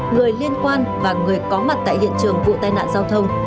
người liên quan và người có mặt tại hiện trường vụ tai nạn giao thông